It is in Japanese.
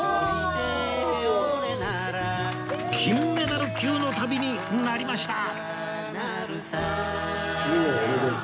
金メダル級の旅になりました